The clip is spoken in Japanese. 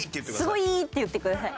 スゴイー！って言ってください。